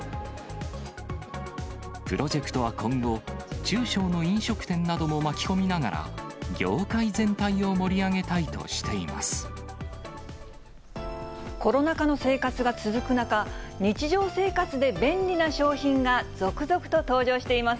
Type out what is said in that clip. プロジェクトは今後、中小の飲食店なども巻き込みながら、業界全体を盛り上げたいとしコロナ禍の生活が続く中、日常生活で便利な商品が続々と登場しています。